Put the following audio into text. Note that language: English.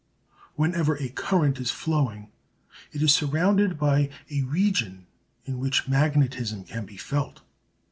Whenever a current is flowing it is surrounded by a region in which magnetism can be felt.